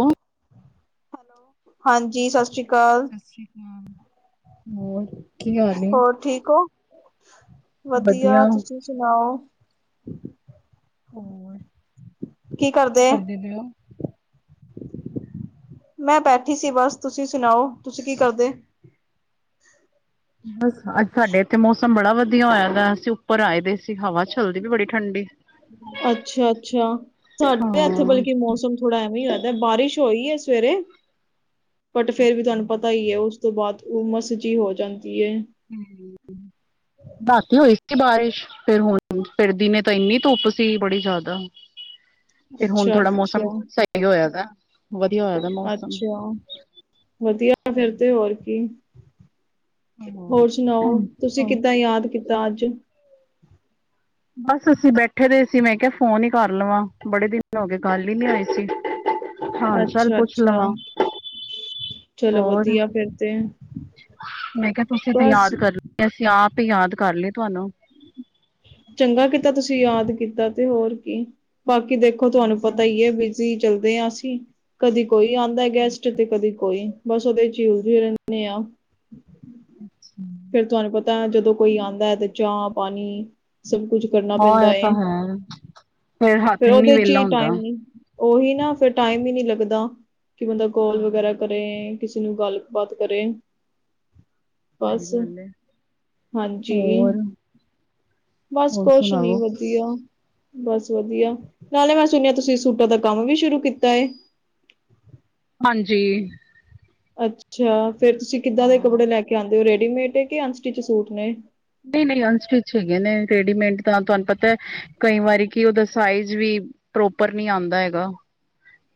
ਉਹ। ਹੈਲੋ ਹਾਂਜੀ। ਸਤਿ ਸ੍ਰੀ ਅਕਾਲ। ਹੋਰ। ਕੀ ਹਾਲ ਏ? ਹੋਰ ਠੀਕ ਹੋ, ਵਧੀਆ, ਤੁਸੀਂ ਸੁਣਾਓ? ਹੋ ਕੀ ਕਰਦੇ ਪਏ ਉਹ? ਮੈਂ ਬੈਠੀ ਸੀ ਬਸ' ਤੁਸੀਂ ਸੁਣਾਓ ਤੁਸੀਂ ਕੀ ਕਰਦੇ? ਬਸ ਅੱਜ ਸਾਡੇ ਇੱਥੇ ਮੌਸਮ ਬੜਾ ਵਧੀਆ। ਵਧ ਹੋਇਆ ਅਸੀਂ ਉੱਪਰ ਆਏ ਦੇ ਸੀ ਹਵਾ ਚੱਲਦੀ ਵੀ ਬੜੀ ਠੰਢਡੀ। ਅੱਛਾ-ਅੱਛਾ ਸਾਡੇ ਇੱਥੇ ਹਾਂ। ਬਤਲਬਕ ਮੌਸਮ ਥੋੜਾ ਐਵੇਂ ਹੀ ਵੱਦਾ ਬਾਰਿਸ਼ ਹੋਈ ਹੈ ਸਵੇਰੇ। ਬਟ ਫੇਰ ਵੀ ਤੁਹਾਨੂੰ ਪਤਾ ਹੀ ਹੈ। ਉਸ- ਤੋਂ ਬਾਅਦ ਉਹਮਸ ਜਹੀ ਹੋ ਜਾਂਦੀ ਏ। ਹਮ। ਰਾਤੀ ਹੋਈ ਸੀ ਬਾਰਿਸ਼'ਫਿਰ ਹੁਣ ਪਿਰਦੀ ਨੇ ਤਾਂ ਇੰਨੀ ਧੁੱਪ ਸੀ ਬੜੀ ਜ਼ਿਆਦਾ। ਫਿਰ ਹੁਣ ਅੱਛਾ ਥੋੜਾ ਮੌਸਮ ਅੱਛਾ ਸਹੀ ਹੋਇਆ ਦਾ। ਵਧੀਆ ਹੋਇਆ ਮੌਸਮ। ਅੱਛਾ ਵਧੀਆ ਫਿਰ ਤੇ ਹੋਰ ਕੀ। ਹੋਰ ਸੁਣਾਓ?। ਤੁਸੀਂ ਕਿੱਦਾਂ ਯਾਦ ਕੀਤਾ ਅੱਜ? ਬਸ ਅਸੀਂ ਬੈਠੇ ਰਹੇ ਸੀ, ਮੈਂ ਕਿਹਾ ਫੋਨ ਹੀ ਕਰ ਲਵਾਂ। ਬੜੇ ਦਿਨ ਹੋ ਗਏ ਗੱਲ ਹੀ ਨੀ ਆਈ ਸੀ। ਹਾਲ -ਚਾਲ ਅੱਛਾ ਪੁੱਛ ਅੱਛਾ ਲਵਾਂ। [unintelligible] ਹੋਰ। ਵਧੀਆ ਫਿਰ ਤੇ ਮੈਂ ਕਿਹਾ, ਤੁਸੀਂ ਤਾਂ ਬਸ ਯਾਦ ਕਰਨਾ ਨੀ। ਤੇ ਅਸੀਂ ਆਪ ਹੀ ਯਾਦ ਕਰ ਲਏ ਤੁਹਾਨੂੰ। ਚੰਗਾ ਕੀਤਾ ਤੁਸੀਂ ਯਾਦ ਕੀਤਾ ਤੇ ਹੋਰਕੀਬਾਕੀ ਦੇਖੋ ਤੁਹਾਨੂੰ ਪਤਾ ਹੀ ਹੈ। ਬੀਸੀ ਚੱਲਦੇ ਹਾਂ ਅਸੀਂ। ਕਦੀ ਕੋਈ ਆਉਂਦਾ ਗੈਸਟ ਤੇ ਕਦੀ ਕੋਈ। ਬਸ ਉਹਦੇ ਝੀਲ ਜ ਰਹਿੰਦੇ ਆ। ਅੱਛਾ। ਫੇਰ ਤੁਹਾਨੂੰ ਪਤਾ ਜਦੋਂ ਕੋਈ ਆਉਂਦਾ ਹੈ। ਤੇ ਚਾਹ -ਪਾਣੀ ਸਭ ਕੁਛ। ਕਰਨਾ ਹਾਂ ਪੈਂਦਾ ਇਹ ਤਾਂ ਏ। ਹੈ। ਹੱਥ ਫੇਰ ਨੀ ਉਹਦੇ ਚ' ਵਿਹਲਾ ਹੀ ਹੁੰਦਾ। ਟਾਈਮ ਨੀ। ਉਹੀ ਨਾ ਫਿਰ ਟਾਈਮ ਹੀ ਨਹੀਂ ਲੱਗਦਾ। ਕਿ ਬੰਦਾ ਕੋਲ ਹਾਂ। ਵਗੈਰਾ ਕਰੇ। ਕਿਸੇ ਨੂੰ ਗੱਲਬਾਤ ਕਰੇ। ਸਹੀ ਬਸ ਗੱਲ ਏ। ਹਾਂਜੀ ਹੋਰ, ਬਸ ਹੋਰ ਕੁਛ ਨੀ ਸੁਣਾਓ? ਵਧੀਆ। ਬਸ ਵਧੀਆ ਨਾਲੇ ਮੈਂ ਸੁਣਿਆ ਤੁਸੀਂ ਸੂਟਾਂ ਦਾ ਕੰਮ ਵੀ ਸ਼ੁਰੂ ਕੀਤਾ ਹੈ। ਹਾਂਜੀ। ਅੱਛਾ ਫਿਰ ਤੁਸੀਂ ਕਿੱਦਾਂ ਦੇ ਹਾਂ। ਕੱਪੜੇ ਲੈ ਕੇ ਆਉਂਦੇ ਹੋ' ਰੇਡੀਮੇਡ ਕਿ ਅਨਸਟਿਚ ਸੂਟ ਨੇ। ਨਹੀਂ ਨਹੀਂ ਅਨਸਟਿਚ ਹੈਗੀਆਂ ਨੇ ਰੇਡੀਮੇਡ ਤਾਂ ਤੁਹਾਨੂੰ ਪਤਾ ਹੈ ਕਈ ਵਾਰੀ ਕਿ ਉਹਦਾ ਸਾਈਜ਼ ਵੀ। ਪ੍ਰੋਪਰ ਨੀ ਆਉਂਦਾ ਹੈਗਾ'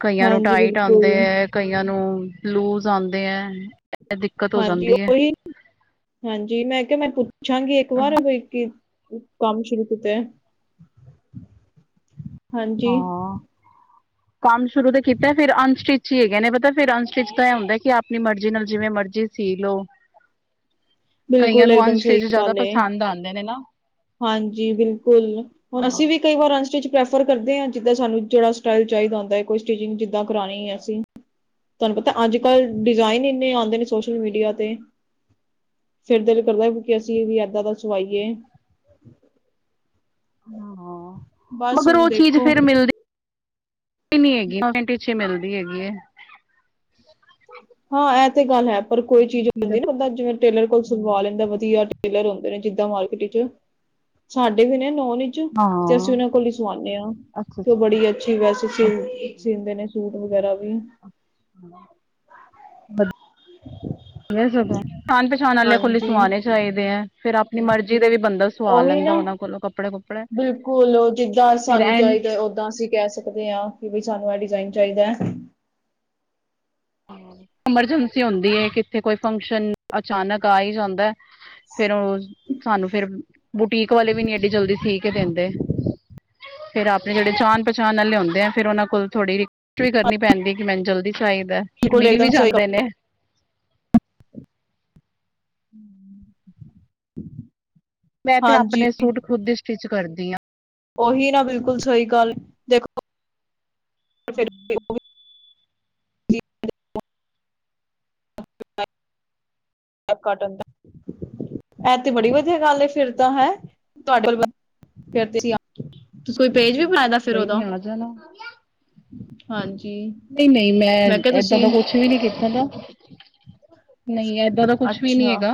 ਕਈਆਂ ਨੂੰ ਹਾਂਜੀ, ਟਾਈਟ'ਆਉਂਦੇ ਬਿਲਕੁਲ, ਹੈ ਕਈ ਕਈਆਂ ਨੂੰ ਲੂਜ ਆਉਂਦੇ ਹੈ। ਹਾਂਜੀ ਉਹੀ ਹਾਂਜੀ ਮੈਂ ਕਿਹਾ ਮੈਂ ਪੁੱਛਾਂਗੀ ਇੱਕ ਵਾਰ ਕਿ। ਕੰਮ ਸ਼ੁਰੂ ਕੀਤਾ ਹਾਂਜੀ। ਹਾਂ ਕੰਮ ਸ਼ੁਰੂ ਤੇ ਕੀਤਾ ਫਿਰ ਅਨਸਟਿਚ ਹੀ ਹੈਗੇ ਨੇ' ਪਤਾ ਫਿਰ ਅਨਸਟਿਚ ਤਾਂ ਇਹ ਹੁੰਦਾ ਕਿ ਆਪਣੀ ਮਰਜ਼ੀ ਨਾਲ ਜਿਵੇਂ ਮਰਜ਼ੀ। ਸੀ ਲੋਓ ਕਈਆਂ ਬਿਲਕੁਲ ਨੂੰ ਇੱਕਦਮ ਸਹੀ ਅਨਸਟੇਜ ਜ਼ਿਆਦਾ ਗੱਲ ਏ, ਪਸੰਦ ਆਉਂਦੇ ਨੇ ਨਾ। ਹਾਂਜੀ ਬਿਲਕੁਲ ਹੁਣ ਹਾਂ ਅਸੀਂ ਵੀ। ਕਈ ਵਾਰ ਅਨਸਟੇਜ ਪ੍ਰੈਫਰ ਕਰਦੇ ਹਾਂ ਜਿੱਦਾਂ ਸਾਨੂੰ ਜਿਹੜਾ ਸਟਾਈਲ ਚਾਹੀਦਾ ਹੁੰਦਾ ਹੈ ਕੋਈ ਸਟਿਚਿੰਗ ਜਿੱਦਾਂ ਕਰਾਣੀ ਹੈ ਅਸੀਂ। ਤੁਹਾਨੂੰ ਪਤਾ ਅੱਜ ਕੱਲ ਡਿਜ਼ਾਇਨ ਇੰਨੇ ਆਉਂਦੇ ਨੇ ਸੋਸ਼ਲ ਮੀਡੀਆ ਤੇ। ਫਿਰ ਦਿਲ ਕਰਦਾ ਵੀ ਅਸੀਂ ਵੀ ਏਦਾਂ ਦਾ ਸਵਾਈਏ। ਹਾਂ ਬਸ ਮਗਰ ਹੁਣ ਉਹ ਚੀਜ਼ ਫਿਰ ਦੇਖੋ ਮਿਲਦੀ ਮਿਲਦੀ ਨੀ ਹੈਗੀ [unintelligible] ਮਿਲਦੀ ਹੈਗੀ ਏ। ਹਾਂ ਇਹ ਤੇ ਗੱਲ ਹੈ ਪਰ ਕੋਈ ਚੀਜ਼ ਹੁੰਦੀ ਨਾ ਬੰਦਾ ਜਿਵੇਂ ਟੇਲਰ ਕੁਝ ਸੁਲਵਾ ਲੈਂਦਾ ਵਧੀਆ। ਟੇਲਰ ਹੁੰਦੇ ਨੇ ਜਿੱਦਾਂ ਮਾਰਕੀਟ ਚ'ਸਾਡੇ ਵੀ ਨੇ ਨੌ ਨੀ। ਵਿੱਚ ਤੇ ਅਸੀਂ ਹਾਂ ਉਹਨਾਂ ਕੋਲ ਹੀ ਸਵਾਂਦੇ ਹਾਂ' ਅੱਛਾ ਤੇ ਉਹ ਬੜੀ ਅੱਛਾ ਵੈਸੇ ਸਿੰਦੇ ਨੇ ਸੂਟ ਵਗੈਰਾ ਵੀ। [inaudible] ਸਗੋਂ ਜਾਣ ਪਛਾਣ ਵਾਲੇ ਖੁੱਲੇ ਹਾਂਜੀ ਸਵਾਣੇ ਚਾਹੀਦੇ ਹੈ। ਫਿਰ ਆਪਣੀ ਮਰਜ਼ੀ ਦੇ ਵੀ ਬੰਦਾ। ਸਵਾ ਉਹੀ ਲੈਂਦਾ ਨਾ ਉਹਨਾਂ ਕੋਲੋਂ ਕੱਪੜੇ ਕੁਪੜੇ ਬਿਲਕੁਲ ਜਿੱਦਾਂ ਫਿਰ ਸਾਨੂੰ ਐਂਡ ਚਾਹੀਦਾ ਉਦਾਂ ਅਸੀਂ। ਕਹਿ ਸਕਦੇ ਹਾਂ ਕਿ ਬਈ ਸਾਨੂੰ ਇਹ ਡਿਜ਼ਾਇਨ ਚਾਹੀਦਾ ਹੈ। ਐਮਰਜੈਂਸੀ ਹੁੰਦੀ ਹੈ ਕਿੱਥੇ ਕੋਈ ਫੰਕਸ਼ਨ ਅਚਾਨਕ ਆ ਹੀ ਜਾਂਦਾ। ਫਿਰ ਉਹ ਸਾਨੂੰ ਫਿਰ ਬੁਟੀਕ ਵਾਲੇ ਵੀ ਨੀ ਐਡੀ ਜਲਦੀ ਸੀ ਕੇ ਦਿੰਦੇ। ਫਿਰ ਆਪਣੇ ਜਿਹੜੇ ਜਾਣ ਪਛਾਣ ਨਾਲ ਲਿਆਉਦੇ ਆ ਫਿਰ ਉਹਨਾਂ ਕੋਲ ਥੋੜੀ ਉੱਚੇ ਵੀ ਕਰਨੀ ਪੈਂਦੀ ਕਿ ਮੈਂਟਲ ਚਾਹੀਦਾ ਫਿਰ ਬਿਲਕੁਲ ਮਿਲ ਇੱਕਦਮ ਵੀ ਸਹੀ ਗੱਲ। ਜਾਂਦੇ ਨੇ। ਮੈਂ ਤੇ ਹਾਂਜੀ ਆਪਣੇ ਸੂਟ ਖੁਦ ਸਟਿਚ ਕਰਦੀ ਹਾਂ। ਉਹੀ ਨਾ ਬਿਲਕੁਲ ਸਹੀ ਗੱਲ ਦੇਖੋ। ਉਹ ਵੀ [unintelligible] [inaudible] ਇਹ ਕਟਣ ਦਾ। ਇਹ ਤੇ ਬੜੀ ਵਧੀਆ ਗੱਲ ਫਿਰ ਤਾਂ ਹੈ ਤੁਹਾਡੇ ਕੋਲ ਫਿਰ ਅਸੀਂ ਕੋਈ ਨੀ ਆ ਜਾਣਾ। ਹਾਂਜੀ। ਨਹੀਂ ਨਹੀਂ ਮੈਂ ਕਿਹਾ ਏਦਾਂ ਤੁਸੀਂ ਦਾ ਕੁਛ ਵੀ ਨਹੀਂ ਕੀਤਾ ਦਾ ਨਹੀਂ ਏਦਾਂ ਦਾ ਕੁਛ ਵੀ ਨਹੀਂ ਅੱਛਾ ਹੈਗਾ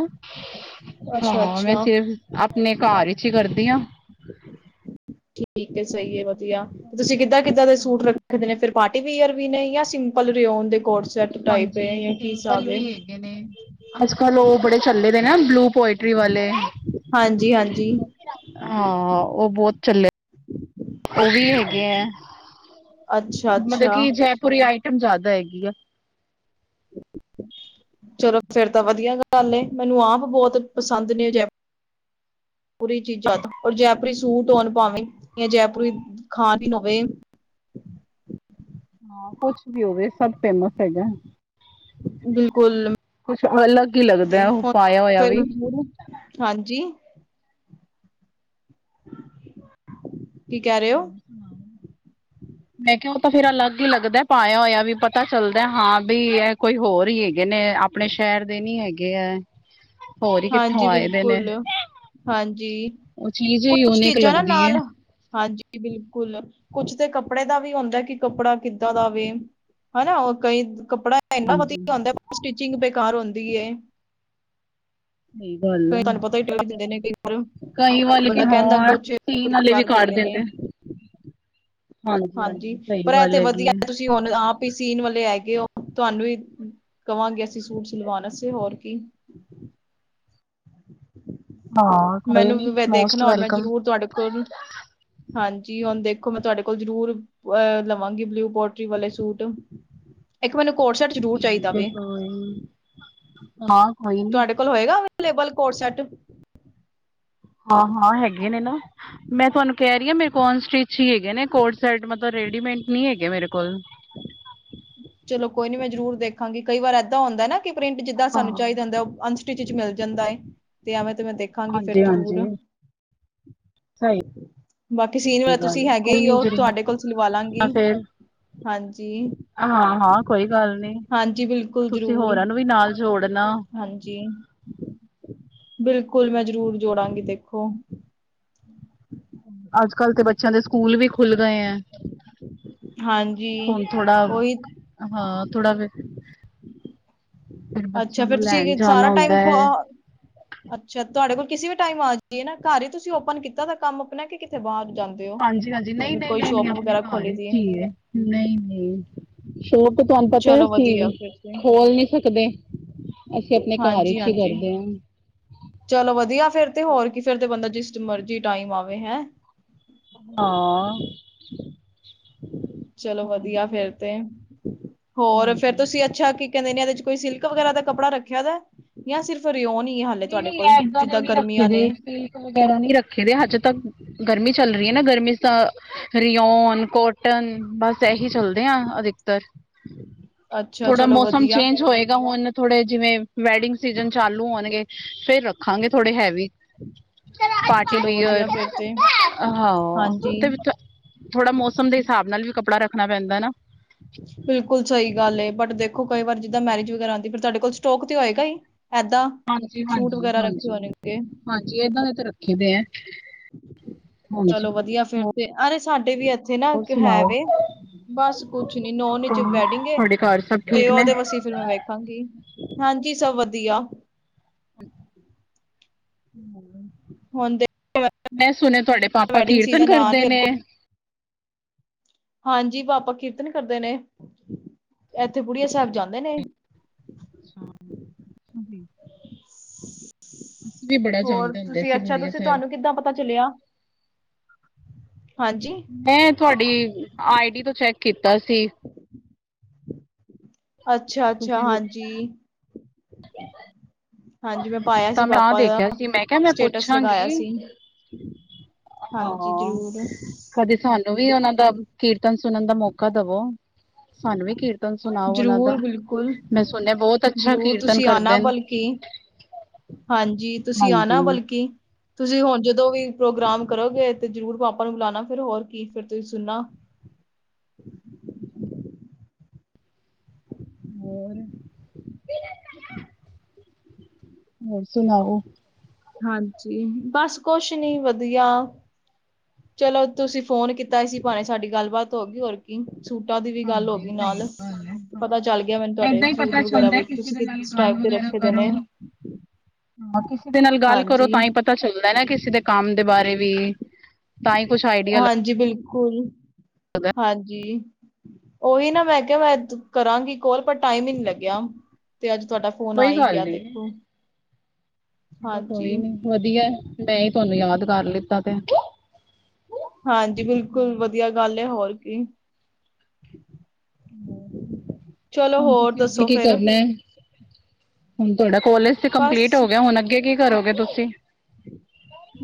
ਅੱਛਾ ਹਾਂ ਮੈਂ ਅੱਛਾ ਸਿਰਫ ਆਪਣੇ ਘਰ ਚ ਹੀ ਕਰਦੀ ਹਾਂ। ਠੀਕ ਏ ਸਹੀ ਹੈ ਵਧੀਆ ਤੁਸੀਂ ਕਿੱਦਾਂ ਕਿੱਦਾਂ ਦੇ ਸੂਟ ਰੱਖਦੇ ਨੇ ਫਿਰ। ਪਾਰਟੀ ਵੀਅਰ ਵੀ ਨੇ ਜਾਂ ਸਿੰਪਲਓ ਦੇ ਕੋਟ ਸੈਟ ਟਾਈਪ ਹੈ ਹਾਂਜੀ ਜਾ ਕੀ ਸਿੰਪਲ ਹਿਸਾਬ ਹੈ। ਵੀ ਹੈਗੇ ਨੇ ਅੱਜ ਕੱਲ ਉਹ ਬੜੇ ਚੱਲੇ ਦੇ ਨਾ ਬਲੂ ਪੋਇੰਟ [unintelligible] ਵਾਲੇ ਹਾਂਜੀ ਹਾਂਜੀ ਹਾਂ ਉਹ ਬਹੁਤ ਚੱਲੇ। ਉਹ ਵੀ ਹੈਗੇ ਆ ਅੱਛਾ ਮਤਲਬ ਅੱਛਾ ਕੀ ਜੈਪੁਰੀ ਆਈਟਮ ਜ਼ਿਆਦਾ ਹੈਗੀ ਹੈ। ਚਲੋ ਫਿਰ ਤਾਂ ਵਧੀਆ ਗੱਲ। ਗੱਲ ਮੈਨੂੰ ਆਪ ਬਹੁਤ ਪਸੰਦ ਨੇ ਜੈ ਪੂਰੀ ਚੀਜ਼ਾਂ ਤਾਂ। ਔਰ ਜੈਪੁਰੀ ਸੂਟ ਧੁਨ ਪਾਵੇਂ ਜਾਂ ਜੈਪੁਰੀ ਖਾਦ ਹੀ ਹੋਵੇ। ਹਾਂ ਕੁਛ ਵੀ ਹੋਵੇ, ਸਭ ਫੇਮਸ ਹੈਗਾ। ਬਿਲਕੁਲ ਕੁਛ ਅਲੱਗ ਹੀ ਲੱਗਦਾ ਤੇ ਹੈ, ਉਹ ਹੁਣ ਪਾਇਆ ਦੇਖੋ ਹੋਇਆ ਫਿਰ ਵੀ। ਮੈਨੂੰ- ਹਾਂਜੀ। ਕੀ ਕਹਿ ਰਹੇ ਹੋ। ਹਾਂ। ਮੈਂ ਕਿਹਾ ਉਹ ਤਾਂ ਫੇਰ ਅਲੱਗ ਹੀ ਲੱਗਦਾ ਪਾਇਆ ਹੋਇਆ, ਵੀ ਪਤਾ ਚੱਲਦਾ ਹਾਂ ਵੀ ਇਹ ਕੋਈ ਹੋਰ ਹੀ ਹੈ। ਹੈਗੇ ਨੇ ਆਪਣੇ ਸ਼ਹਿਰ ਦੇ ਨੀ ਹੈਗੇ ਹੈ। ਹੋਰ ਹੀ ਕਿੱਥੋਂ ਹਾਂਜੀ ਆਏ ਦੇ ਨੇ ਬਿਲਕੁਲ। ਹਾਂਜੀ, ਉਹ ਚੀਜ਼ ਕੁਛ ਯੂਨੀਕ ਚੀਜ਼ਾਂ ਨਾ ਲੱਗਦੀ ਹੈ ਨਾਲ ਹਾਂਜੀ। ਬਿਲਕੁਲ ਕੁਛ ਤਾਂ ਕੱਪੜੇ ਦਾ ਵੀ ਹੁੰਦਾ ਕਿ ਕੱਪੜਾ ਕਿੱਦਾਂ ਦਾਵੇ। ਹਨਾ ਉਹ ਕਈ ਕੱਪੜਾ ਇੰਨਾ ਹਾਂਜੀ ਵਧੀਆ ਹੁੰਦਾ ਸਟਿਚਿੰਗ ਬੇਕਾਰ ਹੁੰਦੀ। ਨਹੀਂ ਬ ਕਈ ਤੁਹਾਨੂੰ ਪਤਾ ਹੀ ਟੋ ਦਿੰਦੇ। ਕਈ ਵਾਲੇ ਕਿ ਬੰਦਾ ਕਹਿੰਦਾ ਹਾਂ ਕੁਛ ਸੀਨ ਵਾਲੇ ਵੀ ਕਰ ਕੱਢ ਦਿੰਦੇ ਨੇ। ਹਾਂਜੀ, ਸਹੀ ਪਰ ਇਹ ਗੱਲ ਤੇ ਹੈਗੀ ਵਧੀਆ ਹੈ ਤੁਸੀਂ ਹੁਣ ਆਪ ਹੀ ਸੀਨ ਵਾਲੇ ਹੈਗੇ, ਉਹ ਤੁਹਾਨੂੰ ਵੀ ਕਹਾਂਗੇ, ਅਸੀਂ ਸੂਟ ਸਿਲਵਾਨਾ ਸੀ ਹੋਰ ਕੀ। ਹਾਂ। ਕੋਈ ਨੀ ਮੈਨੂੰ ਮੋਸਟ ਦੇਖਣਾ ਔਰ ਮੈਂ ਵੈਲਕਮ ਜ਼ਰੂਰ ਤੁਹਾਡੇ ਕੋਲ ਹਾਂਜੀ ਹੁਣ ਦੇਖੋ ਮੈਂ ਤੁਹਾਡੇ ਕੋਲ ਜ਼ਰੂਰ ਅ ਲਵਾਂਗੀ ਬਲਿਊ ਪੋਲਟਰੀ ਵਾਲੇ ਸੂਟ ਇੱਕ ਮੈਨੂੰ ਕੋਰ ਸ਼ਟ ਤੇ ਕੋਈ ਹਾਂ ਕੋਈ ਨੀ। ਤੁਹਾਡੇ ਹੋਏਗਾ ਅਐ ਵਾਲਾ ਕੋਟ ਸੈਟ ਹਾਂ-ਹਾਂ ਹੈਗੇ ਨੇ ਨਾ। ਮੈਂ ਤੁਹਾਨੂੰ ਕਹਿ ਰਹੀ ਹਾਂ ਮੇਰੇ ਕੋਨ ਸਟਿਚ ਹੀ ਹੈਗੇ ਨੇ, ਕੋਟ ਸ਼ੈਟ ਮਤਲਬ, ਰੇਡੀਮੇਡ ਨਹੀਂ ਹੈਗੇ ਮੇਰੇ ਕੋਲ। ਚਲੋ ਕੋਈ ਨੀ ਮੈਂ ਜ਼ਰੂਰ ਦੇਖਾਂਗੀ, ਕਈ ਵਾਰ ਇੱਦਾਂ ਹੁੰਦਾ ਨਾ ਕਿ ਪ੍ਰਿੰਟ ਜਿੱਦਾਂ ਹਾਂ ਸਾਨੂੰ ਚਾਹੀਦਾ ਹੁੰਦਾ। ਚ ਮਿਲ ਜਾਂਦਾ ਹੈ ਤੇ ਐਵੇਂ ਤੇ ਮੈਂ ਦੇਖਾਂਗੀ, ਫਿਰ ਹਾਂਜੀ ਜ਼ਰੂਰ ਹਾਂਜੀ [unintelligible] ਸਹੀ ਬਾਕੀ ਸੀਨ ਵਾਲੇ ਤੁਸੀਂ ਗੱਲ ਹੈਗੇ ਕੋਈ ਹੀ ਨੀ ਤੁਹਾਡੇ ਜ਼ਰੂਰ ਕੋਲ ਸਿਲਵਾ ਲਾਂਗੀ, ਹਾਂਜੀਵ ਹਾਂ-ਹਾਂ, ਕੋਈ ਗੱਲ ਨੀ ਬਿਲਕੁਲ ਤੁਸੀਂ ਜ਼ਰੂਰ ਹੋਰਾਂ ਨੂੰ ਵੀ ਨਾਲ ਜੋੜਨਾ। ਹਾਂਜੀ, ਬਿਲਕੁਲ ਮੈਂ ਜ਼ਰੂਰ ਜੋੜਾਂਗੀ ਦੇਖੋ। ਅੱਜ-ਕੱਲ ਤੇ ਬੱਚਿਆਂ ਦੇ ਸਕੂਲ ਵੀ ਖੁੱਲ ਗਏ ਹੈ। ਹਾਂਜੀ ਹੁਣ ਥੋੜਾ ਉਹੀ ਹਾਂ ਥੋੜਾ ਵ ਫਿਰ ਅੱਛਾ ਬੱਚਿਆਂ ਫਿਰ ਨੂੰ ਲੈਣ ਤੁਸੀਂ ਜਾਣਾ ਸਾਰਾ ਹੁੰਦਾ ਟਾਈਮ ਹੈ। ਅੱਛਾ ਤੁਹਾਡੇ ਕੋਲ ਕਿਸੇ ਵੀ ਟਾਈਮ ਆ ਜਾਈਏ, ਨਾ ਘਰ ਹੀ ਤੁਸੀਂ ਓਪਨ ਕੀਤਾ ਤਾਂ ਕੰਮ ਆਪਣਾ ਕਿੱਥੇ ਬਾਹਰ ਜਾਗੇ। ਹਾਂਜੀ-ਹਾਂਜੀ, ਨਹੀਂ-ਨਹੀਂ-ਨਹੀਂ-ਨਹੀਂ, ਆਪਣੇ ਘਰ ਖੋਲੀ ਹੀ ਦੀ ਚੀਜ਼ ਹੈ ਨਹੀਂ ਨਹੀਂ, ਸ਼ੋਕ ਤੇ ਤੁਹਾਨੂੰ ਪਤਾ ਚਲੋ ਅਸੀਂ ਵਧੀਆ ਫਿਰ ਤੇ ਖੋਲ ਨਹੀਂ ਸਕਦੇ। ਅਸੀਂ ਆਪਣੇ ਘਰ ਹਾਂਜੀ ਵਿਚ ਹੀ ਹਾਂਜੀ ਕਰਦੇ ਹਾਂ। ਚਲੋ ਵਧੀਆ ਫੇਰ ਤੇ ਹੋਰ ਕੀ ਫਿਰ ਤੇ ਬੰਦਾ ਜਿਸ ਮਰਜੀ ਟਾਈਮ ਆਵੇ ਹੈਂ। ਹਾਂ, ਚਲੋ ਵਧੀਆ, ਹੋਰ ਫੇਰ ਤੇ ਹੋਰ ਫੇਰ ਹਾਂਜੀ ਤੁਸੀਂ ਅੱਛਾ ਕਹਿੰਦੇ ਨੇ ਇਹਦੇ ਚ ਕੋਈ ਸਿਲਕ ਵਗੈਰਾ ਦਾ ਕੱਪੜਾ ਰੱਖਿਆ ਦਾ ਜਾਂ ਸਿਰਫ ਰਿਓ ਨ ਨਹੀਂ-ਨਹੀਂ, ਇੱਦਾਂ ਦੇ ਨਹੀਂ ਰੱਖੇ ਦੇ ਅ ਵਗੈਰਾ ਨਹੀਂ ਰੱਖੇ ਦੇ ਹੱਜ ਤੱਕ ਗਰਮੀ ਚੱਲ ਰਹੀ ਹੈ, ਨਾ ਗਰਮੀ ਤਾਂ ਰਿਓਨ ਕੋਟ ਟਨ ਬਸ ਇਹੀ ਚੱਲਦੇ ਆ ਅਧਿਕਤਰ ਅੱਛਾ ਥੋੜਾ ਚਲੋ ਮੌਸਮ ਵਧੀਆ ਚੇਂਜ ਹੋਏਗਾ ਹੁਣ ਥੋੜੇ ਜਿਵੇਂ ਵੈਡਿੰਗ ਸੀਜਨ ਚਾਲੂ ਹੋਣਗੇ। ਫੇਰ ਰੱਖਾਂਗੇ ਥੋੜੇ ਹੈਵੀ ਚਲੋ ਵਧੀਆ ਪਾਰਟੀਵੀਅਰ ਫਿਰ ਤੇ ਹਾਂ ਤੇ ਹਾਂਜੀ ਵੀ ਤਾ ਥੋੜਾ ਮੌਸਮ ਦੇ ਹਿਸਾਬ ਨਾਲ ਵੀ ਕੱਪੜਾ ਰੱਖਣਾ ਪੈਂਦਾ ਨਾ। ਬਿਲਕੁਲ ਸਹੀ ਗੱਲ ਏ ਬਟ ਦੇਖੋ ਕਈ ਵਾਰ ਜਿੱਦਾਂ ਮੈਰਿਜ ਵਗੈਰਾ ਆਉਂਦੀ ਫਿਰ ਤੁਹਾਡੇ ਕੋਲ ਸਟੋਕ ਤੇ ਹੋਏਗਾ ਹੀ ਏਦਾਂ ਹਾਂਜੀ ਸੂਟ ਵਗੈਰਾ ਰੱਖੇ ਹੋ ਨੇਗੇ ਜੇ ਇਹਨਾਂ ਤੇ ਰੱਖੇ ਦੇ ਹੈ। ਹਾਂਜੀ ਚਲੋ ਵਧੀਆ ਫਿਰ ਹੋਰ ਤੇ ਅਰੇ ਸਾਡੇ ਵੀ ਇੱਥੇ ਨਾ ਇੱਕ ਹੈ ਸੁਣਾਓ ਵੇ ਬਸ ਕੁਛ ਨੀ ਨੋ ਨੀ ਚ ਵੈਡਿੰਗ ਤੁਹਾਡੇ ਘਰ ਸਭ ਤੇ ਠੀਕ ਨੇ ਉਹਦੇ ਵਸੀ ਫਿਰ ਮੈਂ ਵੇਖਾਂਗੀ ਹਾਂਜੀ ਸਭ ਵਧੀਆ ਹੁਣ ਦੇ ਮੈਂ ਸੁਣਿਆ ਤੁਹਾਡੇ ਪਾਪਾ ਵੈਡਿੰਗ ਕੀਰਤਨ ਸੀਜ਼ਨ ਆ ਕਰਦੇ ਰਹੀ ਨੇ ਅੱਗੋਂ ਹਾਂਜੀ ਪਾਪਾ ਕੀਰਤਨ ਕਰਦੇ ਨੇ ਇੱਥੇ ਬੁੜੀਆ ਸਾਹਿਬ ਜਾਂਦੇ ਨੇ ਅੱਛਾ। ਹੁੰਦੀ ਬੜਾ ਹੋਰ ਜਾਂਦੇ ਹੁੰਦੇ ਤੁਸੀਂ ਸੀ ਅੱਛਾ ਬੁੜੀਆ ਤੁਸੀਂ ਸਾਹਿਬ ਤੁਹਾਨੂੰ ਕਿੱਦਾਂ ਪਤਾ ਚਲਿਆ ਹਾਂਜੀ ਮੈਂ ਤੁਹਾਡੀ ਆਈ ਡੀ ਤੋਂ ਚੈੱਕ ਕੀਤਾ ਸੀ। ਅੱਛਾ- ਅੱਛਾ ਤੁਸੀਂ ਹਾਂਜੀ ਹਾਂਜੀ ਮੈਂ ਪਾਇਆ ਸੀ ਤਾਂ ਮੈਂ ਤਾਂ ਪਾਪਾ ਦਾ ਦੇਖਿਆ ਸੀ ਮੈਂ ਕਿਹਾ ਮੈਂ ਸਟੇਟਸ ਲਗਾਇਆ ਪੁੱਛਾਂਗੀ ਸੀ। ਹਾਂਜੀ ਹਾਂ ਜ਼ਰੂਰ ਕਦੇ ਸਹਾਨੂੰ ਵੀ ਉਹਨਾਂ ਦਾ ਕੀਰਤਨ ਸੁਣਨ ਦਾ ਮੌਕਾ ਦਵੋ ਸਾਨੂੰ ਵੀ ਕੀਰਤਨ ਸੁਣਾਓ ਉਹਨਾਂ ਦਾ ਜ਼ਰੂਰ ਬਿਲਕੁਲ। ਮੈਂ ਸੁਣਿਆ ਬਹੁਤ ਅੱਛਾ ਜ਼ਰੂਰ ਕੀਰਤਨ ਤੁਸੀਂ ਆਣਾ ਕਰਦੇ ਨੇ [inaudible] ਬਲਕਿ, ਹਾਂਜੀ ਤੁਸੀਂ ਆਣਾ ਹਾਂਜੀ ਬਲਕਿ ਤੁਸੀਂ ਹੁਣ ਜਦੋਂ ਵੀ ਪ੍ਰੋਗਰਾਮ ਕਰੋਗੇ ਤੇ ਜ਼ਰੂਰ ਪਾਪਾ ਨੂੰ ਬੁਲਾਉਣਾ ਫਿਰ ਹੋਰ ਕੀ ਫਿਰ ਤੁਸੀਂ ਸੁਣਨਾ ਹੋਰ ਹੋਰ ਸੁਣਾਓ ਹਾਂਜੀ ਬਸ ਕੁਛ ਨੀ ਵਧੀਆ ਚਲੋ ਤੁਸੀਂ ਫੋਨ ਕੀਤਾ ਸੀ ਇਸੀ ਬਾਨੇ ਸਾਡੀ ਗੱਲਬਾਤ ਹੋ ਗਈ ਹੋਰ ਸੂਟਾਂ ਦੀ ਵੀ ਗੱਲ ਹੋ ਹਾਂਜੀ ਗਈ ਸਹੀ ਨਾਲ ਗੱਲ ਹੈ ਪਤਾ ਹਾਂ ਚੱਲ ਗਿਆ ਮੈਨੂੰ ਤੁਹਾਡੇ ਏਦਾਂ ਹੀ ਸੂਟ ਪਤਾ ਵਗੈਰਾ ਚੱਲਦਾ ਤੁਸੀਂ ਕਿਸੇ ਦੇ ਸਕਿਪ ਨਾਲ ਗੱਲ ਸਟਾਈਕ ਤੇ ਰੱਖੇ ਦੇ ਨੇ। ਹਾਂ, ਕਿਸੀ ਦੇ ਨਾਲ ਗੱਲ ਕਰੋ ਹਾਂਜੀ, ਤਾਂ ਹੀ ਪਤਾ ਚੱਲਣਾ ਨਾ ਕਿਸੀ ਦੇ ਕੰਮ ਦੇ ਬਾਰੇ ਵੀ ਤਾਂ ਹੀ ਕੁਛ ਆਈਡੀਆ ਹਾਂਜੀ ਬਿਲਕੁਲ, ਲੱਗਦਾ ਹਾਂਜੀ ਔਈ ਨਾ ਮੈਂ ਮੈਂ ਕੇਹਾ ਮੈਂ ਕਰਾਂਗੀ ਕੋਲ ਪਰ ਟਾਈਮ ਹੀ ਨੀ ਲੱਗਿਆ ਤੇ ਅੱਜ ਤੁਹਾਡਾ ਫੋਨ ਆ ਕੋਈ ਹੀ ਗੱਲ ਗਿਆ ਨੀ ਦੇਖੋ। ਚਲੋ ਹਾਂਜੀ ਕੋਈ ਨੀ ਵਧੀਆ, ਮੈਂ ਹੀ ਤੁਹਾਨੂੰ ਯਾਦ ਕਰ ਲਿੱਤਾ ਤੇ। ਹਾਂਜੀ, ਬਿਲਕੁਲ ਵਧੀਆ ਗੱਲ ਏ ਹੋਰ ਕੀ। ਚਲੋ ਹੋਣ ਹੋਰ ਤੁਸੀਂ ਅੱਗੇ ਦੱਸੋ ਕੀ ਫਿਰ ਕਰਨਾ? ਹੋਣ ਤੁਹਾਡਾ ਕੋਲਜ ਤੇ ਕੰਪਲੀਟ ਬਸ ਹੋ ਗਿਆ, ਹੁਣ ਅੱਗੇ ਕੀ ਕਰੋਗੇ ਤੁਸੀਂ?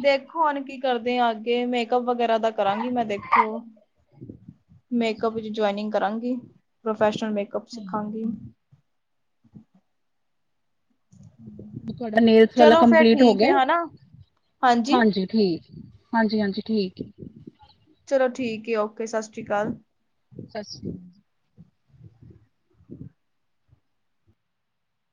ਦੇਖੋ ਹੁਣ ਕੀ ਕਰਦੇ ਆ ਅੱਗੇ ਮੇਕਅਪ ਵਗੈਰਾ ਦਾ ਕਰਾਂਗੀ ਮੈਂ ਦੇਖੋ। ਮੇਕਅਪ ਚ ਜੋਇਨਿੰਗ ਕਰਾਂਗੀ, ਪ੍ਰੋਫੈਸ਼ਨਲ ਮੇਕਅੱਪ ਸਿੱਖਾਂਗੀ। ਤੁਹਾਡਾ ਨੇਲਸ ਵਾਲਾ ਚਲੋ ਫਿਰ ਕੰਪਲੀਟ ਹੋ ਠੀਕ ਹੈ ਗਿਆ? ਹਨਾ ਹਾਂਜੀ। ਠੀਕ, ਹਾਂਜੀ ਹਾਂਜੀ ਠੀਕ ਏ। ਚਲੋ ਠੀਕ ਏ, ਓਕੇ ਸਤਿ ਸ਼੍ਰੀ ਅਕਾਲ। ਸਤਿ ਸ੍ਰੀ ਅਕਾਲ ਜੀ। [inaudible]